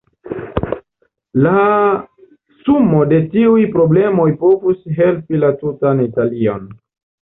La sumo de tiuj problemoj povus helpi la tutan Italion.